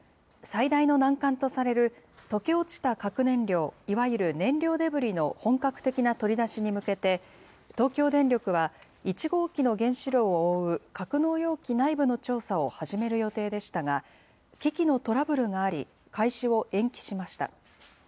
最大の難関とされる溶け落ちた核燃料、いわゆる燃料デブリの本格的な取り出しに向けて、東京電力は、１号機の原子炉を覆う格納容器内部の調査を始める予定でしたが、機器のトラブルがあり、開始を延期しました。